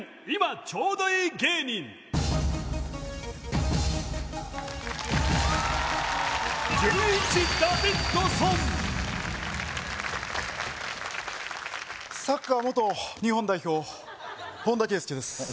今ちょうどいい芸人サッカー元日本代表本田圭佑です